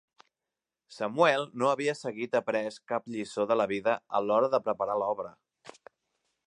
Samuel no havia seguit après cap lliçó de la vida a l'hora de preparar l'obra.